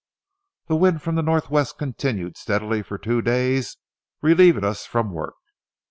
The wind from the northwest continued steadily for two days, relieving us from work.